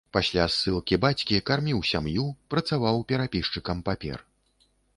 Пасля ссылкі бацькі карміў сям'ю, працаваў перапісчыкам папер.